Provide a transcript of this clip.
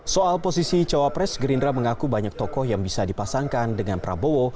soal posisi cawapres gerindra mengaku banyak tokoh yang bisa dipasangkan dengan prabowo